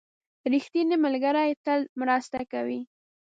• ریښتینی ملګری تل مرسته کوي.